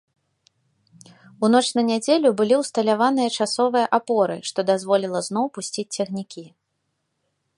У ноч на нядзелю былі ўсталяваныя часовыя апоры, што дазволіла зноў пусціць цягнікі.